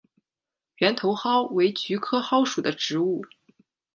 圆头蒿为菊科蒿属的植物。